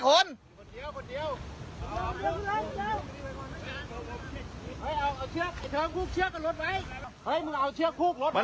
มันน่ากวง